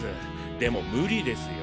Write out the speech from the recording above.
でもムリですよ。